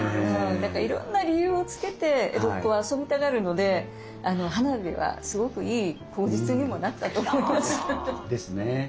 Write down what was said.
だからいろんな理由をつけて江戸っ子は遊びたがるので花火はすごくいい口実にもなったと思います。